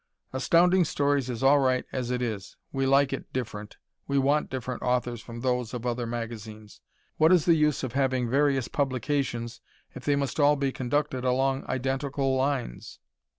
Astounding Stories is all right as is. We like it "different." We want different authors from those of other magazines. What is the use of having various publications if they must all be conducted along identical lines?